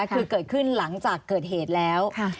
คือเกิดขึ้นหลังจากเกิดเหตุแล้ว